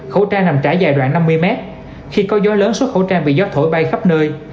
khẩu trang nằm trải dài năm mươi mét khi có gió lớn xuất khẩu trang bị gió thổi bay khắp nơi